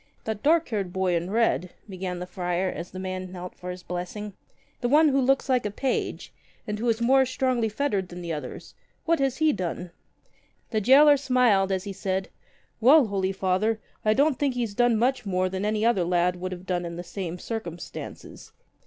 "That dark haired boy in red," began the friar as the man knelt for his blessing, "the one who looks like a page, and who is more strongly fettered than the others — what has he done?" 39 The gaoler smiled as he said: "Well, holy Father, I don't think he's done much more than any other lad would have done in the same circumstances.